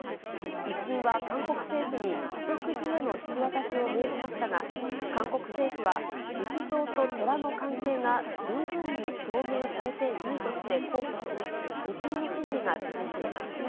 １審は韓国政府に、プソク寺への引き渡しを命じましたが、韓国政府は、仏像と寺の関係が十分に証明されていないとして、控訴し、２審の審理が続いています。